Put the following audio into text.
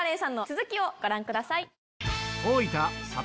続きをご覧ください。